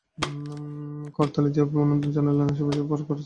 করতালি দিয়ে অভিনন্দন জানালেন আশি বছর পার করা কবি সৈয়দ শামসুল হককে।